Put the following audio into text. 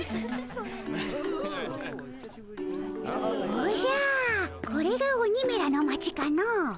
おじゃこれが鬼めらの町かの？